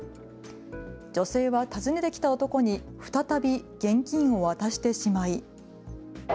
女性は、訪ねてきた男に再び現金を渡してしまい。